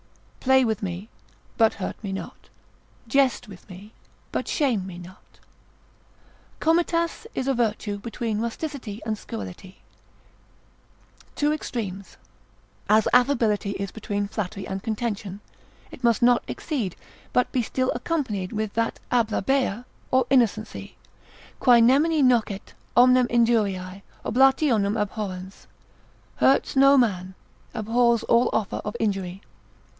Play with me, but hurt me not: Jest with me, but shame me not. Comitas is a virtue between rusticity and scurrility, two extremes, as affability is between flattery and contention, it must not exceed; but be still accompanied with that ἀβλάβεια or innocency, quae nemini nocet, omnem injuriae, oblationem abhorrens, hurts no man, abhors all offer of injury.